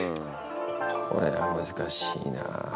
これは難しいな。